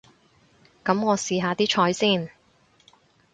噉我試下啲菜先